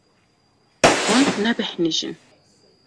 Hûn nebêhnijîn.